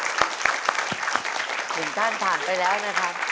ขุมต้านผ่านไปแล้วนะครับ